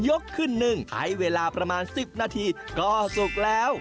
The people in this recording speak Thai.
ขึ้นหนึ่งใช้เวลาประมาณ๑๐นาทีก็สุกแล้ว